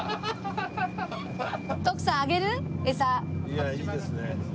いやいいですね。